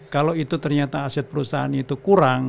kalau itu ternyata aset perusahaan itu kurang